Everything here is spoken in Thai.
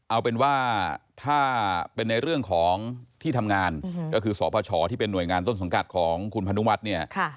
เอาเป็นว่าถ้าเป็นในเรื่องของที่ทำงานก็คือสพชที่เป็นหน่วยงานต้นสังกัดของคุณพนุวัฒน์เนี่ย